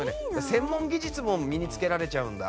専門技術も身につけられちゃうんだ。